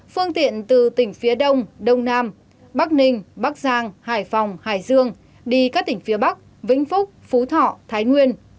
phương tiện từ tỉnh phía đông đông nam bắc ninh bắc giang hải phòng hải dương đi các tỉnh phía bắc vĩnh phúc phú thọ thái nguyên